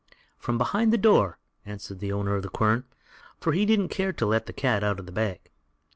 "From behind the door," answered the owner of the quern, for he didn't care to let the cat out of the bag.